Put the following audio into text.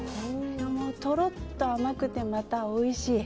とろっと甘くてまたおいしい。